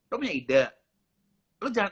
lo punya ide lo jangan